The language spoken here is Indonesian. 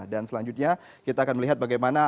dan selanjutnya kita akan melihat bagaimana